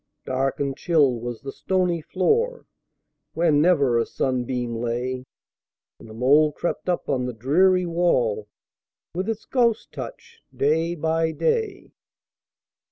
Dark and chill was the stony floor, Where never a sunbeam lay, And the mould crept up on the dreary wall, With its ghost touch, day by day.